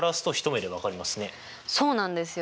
そうなんですよ。